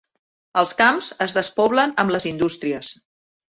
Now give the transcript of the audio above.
Els camps es despoblen amb les indústries.